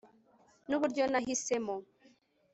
nuburyo nahisemo